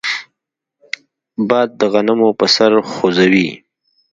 باد د غنمو پسر خوځوي